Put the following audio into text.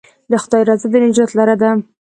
د خدای رضا د نجات لاره ده.